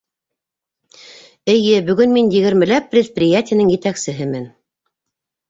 Эйе, бөгөн мин егермеләп предприятиеның етәксеһемен.